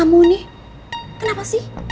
kamu nih kenapa sih